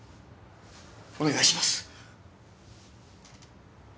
お願いします。